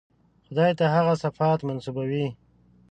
خدای ته هغه صفات منسوبوي.